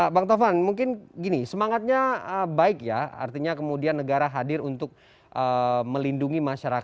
bang taufan mungkin gini semangatnya baik ya artinya kemudian negara hadir untuk melindungi masyarakat